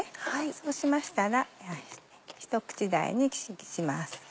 そうしましたら一口大にします。